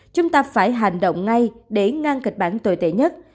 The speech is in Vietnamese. chúng ta phải hành động ngay để ngăn kịch bản tồi tệ nhất